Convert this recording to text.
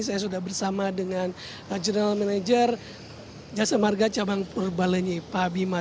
saya sudah bersama dengan general manager jasa marga cabang purbalenyi pak bima